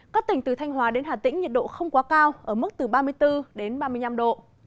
các tỉnh từ thanh hóa đến hà tĩnh nhiệt độ không quá cao ở mức từ ba mươi bốn đến ba mươi năm độ